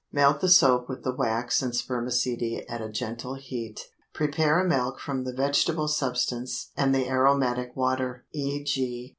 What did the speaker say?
Melt the soap with the wax and spermaceti at a gentle heat. Prepare a milk from the vegetable substance and the aromatic water (_e.g.